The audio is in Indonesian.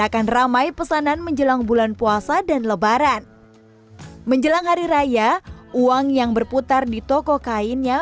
akan ramai pesanan menjelang bulan puasa dan lebaran menjelang hari raya uang yang berputar di toko kainnya